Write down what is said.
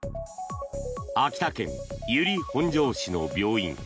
秋田県由利本荘市の病院。